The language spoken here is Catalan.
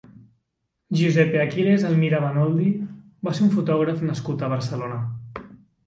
Giuseppe Aquiles Elmira Banoldi va ser un fotògraf nascut a Barcelona.